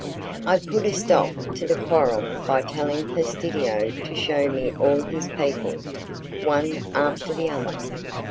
I put a stop to the quarrel by telling Fastidio to shew me all his people, one after the other.